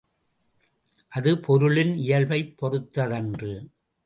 அது பொருளின் இயல்பை பொறுத்ததன்று.